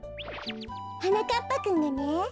はなかっぱくんがね。